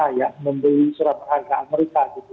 ya membeli surat harga amerika gitu